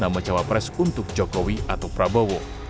nama cawapres untuk jokowi atau prabowo